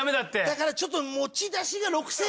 だからちょっと。